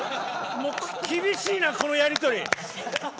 厳しいなこのやりとり。